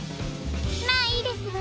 まあいいですわ。